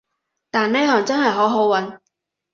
但呢行真係好好搵